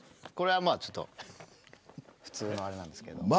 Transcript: これは、まあちょっと普通のあれなんですけど。